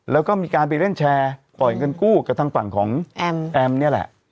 แล้วก็มีการไปเล่นแชร์ปล่อยเงินกู้กับทางฝั่งของแอมแอมนี่แหละ